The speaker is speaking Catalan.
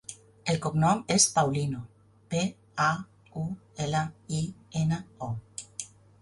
El cognom és Paulino: pe, a, u, ela, i, ena, o.